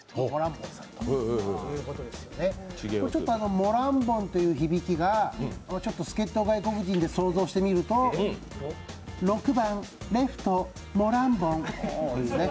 モランボンという響きがちょっと助っ人外国人で想像してみると、６番レフトモランボンですね。